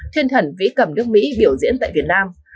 thiên thần vĩ cầm nước mỹ biểu diễn tại việt nam